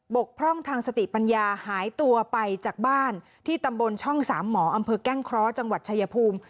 กพร่องทางสติปัญญาหายตัวไปจากบ้านที่ตำบลช่องสามหมออำเภอแก้งเคราะห์จังหวัดชายภูมิ